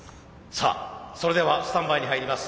さあそれではスタンバイに入ります。